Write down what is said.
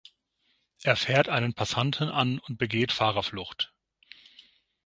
Er fährt einen Passanten an und begeht Fahrerflucht.